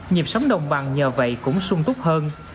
nhịp sống đồng bằng nhờ vậy cũng sung túc hơn